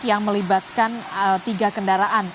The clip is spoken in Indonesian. yang melibatkan tiga kendaraan